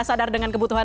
sadar dengan kebutuhan